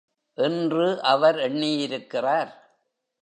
என்று அவர் எண்ணியிருக்கிறார்.